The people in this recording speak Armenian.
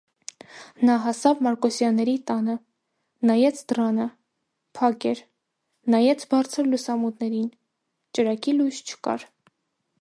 Նա հասավ Մարկոսյանների տանը, նայեց դռանը,- փակ էր, նայեց բարձր լուսամուտներին- ճրագի լույս չկար: